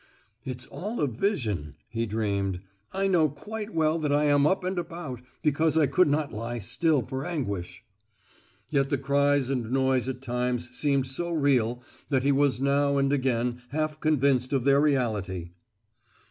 "It's all a vision," he dreamed, "I know quite well that I am up and about, because I could not lie still for anguish!" Yet the cries and noise at times seemed so real that he was now and again half convinced of their reality.